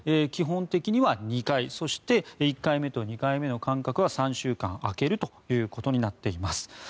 基本的には２回そして、１回目と２回目の間隔は３週間空けるということになっています。